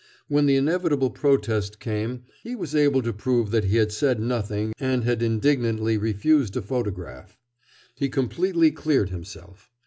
When the inevitable protest came he was able to prove that he had said nothing and had indignantly refused a photograph. He completely cleared himself.